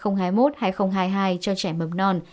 năm hai nghìn hai mươi một hai nghìn hai mươi hai cho trẻ mầm non